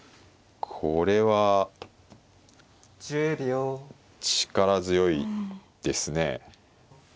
これは力強いですね。